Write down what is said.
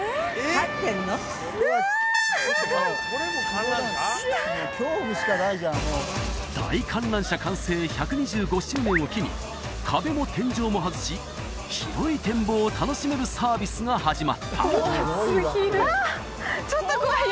下が大観覧車完成１２５周年を機に壁も天井も外し広い展望を楽しめるサービスが始まったあっちょっと怖い